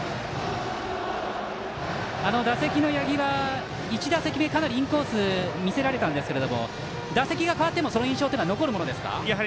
打席の八木は１打席目かなりインコースを見せられたんですけども打席が変わってもその印象というのは残るものですか。